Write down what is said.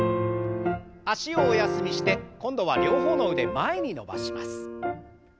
脚をお休みして今度は両方の腕前に伸ばします。